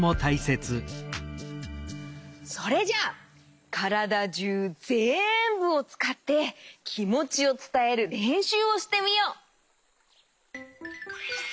それじゃからだじゅうぜんぶをつかってきもちをつたえるれんしゅうをしてみよう。